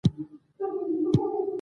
د مومن خان کومه جنازه ده.